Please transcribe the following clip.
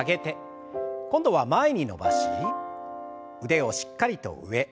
今度は前に伸ばし腕をしっかりと上。